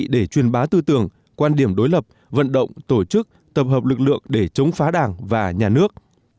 để truyền bá tư tưởng quan điểm đối lập vận động tổ chức tập hợp lực lượng để chống phá đảng và nhà nước